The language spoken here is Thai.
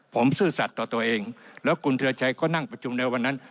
ผมซื่อสัตว์ต่อตัวเองแล้วคุณธิรชัยก็นั่งประชุมในวันนั้น